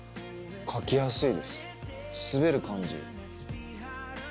書きやすいです滑る感じ。